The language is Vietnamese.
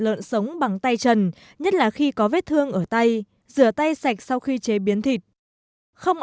lợn sống bằng tay chân nhất là khi có vết thương ở tay rửa tay sạch sau khi chế biến thịt không